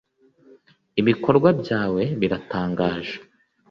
ibikorwa byawe biratangaje